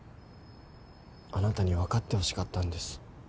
あなたに分かってほしかったんです。